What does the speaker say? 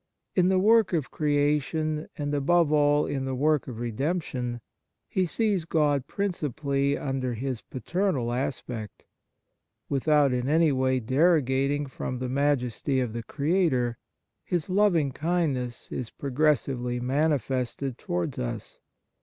In the work of creation, and, above all, in the work of redemption, he sees God principally under His paternal aspect. Without in any way derogating from the majesty of the Creator, His loving kindness is pro gressively manifested towards us.